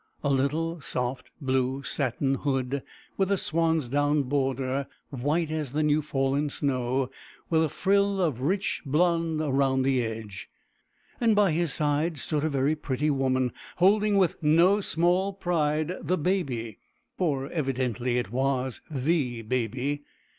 _ A little, soft, blue satin hood, with a swan's down border, white as the new fallen snow, with a frill of rich blonde around the edge. By his side stood a very pretty woman, holding, with no small pride, the baby for evidently it was the baby.